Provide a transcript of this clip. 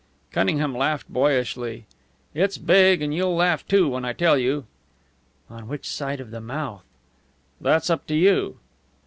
Cunningham laughed boyishly. "It's big, and you'll laugh, too, when I tell you." "On which side of the mouth?" "That's up to you."